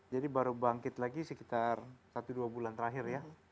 jadi baru bangkit lagi sekitar satu dua bulan terakhir ya